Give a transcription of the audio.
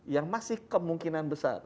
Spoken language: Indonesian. yang masih kemungkinan besar